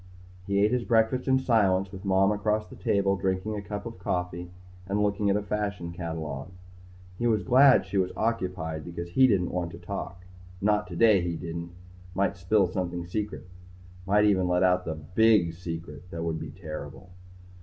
He ate his breakfast in silence with Mom across the table drinking a cup of coffee and looking at a fashion catalogue. He was glad she was occupied because he didn't want to talk; not today he didn't. Might spill something secret. Might even let out the big secret. That would be terrible.